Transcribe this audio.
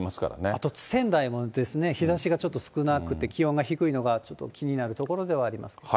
あと仙台も日ざしがちょっと少なくて、気温が低いのがちょっと気になるところではあります。